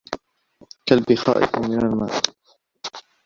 كلبي خائف من الماء